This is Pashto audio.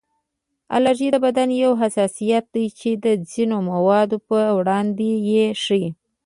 الرژي د بدن یو حساسیت دی چې د ځینو موادو پر وړاندې یې ښیي